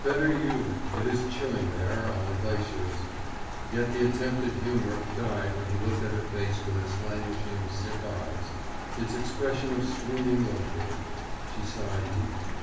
Better you it is chilling there, on the glaciers." Yet the attempt at humor died when he looked at her face with its languishing, sick eyes, its expression of swooning luxury. She sighed deeply.